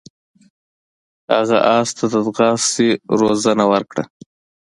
هغه اس ته د ځغاستې روزنه ورکړه.